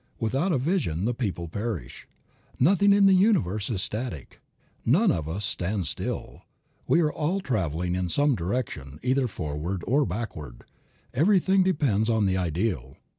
Without a vision the people perish. Nothing in the universe is static. None of us stands still. We are all traveling in some direction, either forward or backward. Everything depends on the ideal.